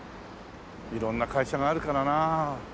色んな会社があるからなあ。